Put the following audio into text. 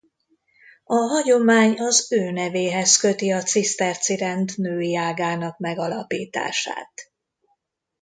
A hagyomány az ő nevéhez köti a ciszterci rend női ágának megalapítását.